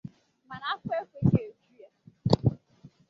Mana afọ ekweghị eju ya